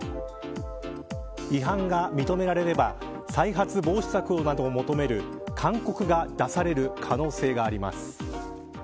違反が認められれば再発防止策などを求める勧告が出される可能性があります。